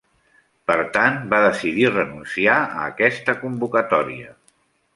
Per tant, va decidir renunciar a aquesta convocatòria.